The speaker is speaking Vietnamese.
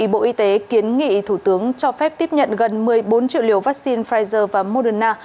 bộ y tế kiến nghị thủ tướng cho phép tiếp nhận gần một mươi bốn triệu liều vaccine pfizer và moderna